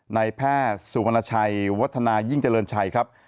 ในแพทย์สุวรรณชัยวัฒนายิ่งเจริญชัยครับ